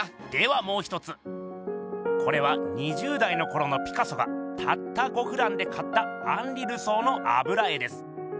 ではもう一つこれは２０代のころのピカソがたった５フランで買ったアンリ・ルソーのあぶら絵です。